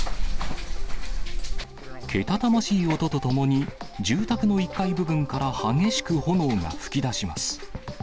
けたたましい音とともに、住宅の１階部分から激しく炎が噴き出します。